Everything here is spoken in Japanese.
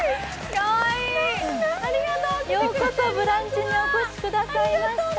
ようこそ「ブランチ」へお越しくださいました。